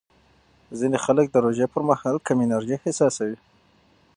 ځینې خلک د روژې پر مهال کم انرژي احساسوي.